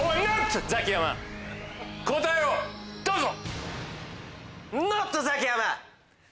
答えをどうぞ！